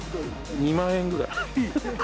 ２万円ぐらい。